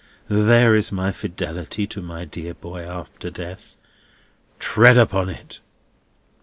There is my fidelity to my dear boy after death. Tread upon it!"